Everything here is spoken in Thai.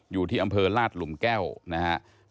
อยู่ที่อำเภอลาดหลุมแก้วนะครับ